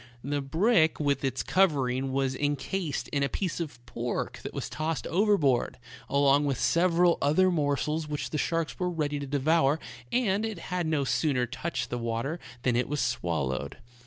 The brick with its covering was incased in a piece of pork that was tossed overboard, along with several other morsels which the sharks were ready to devour^ and it had no sooner touched the IN A shark's mouth. 67 water than it was swallowed.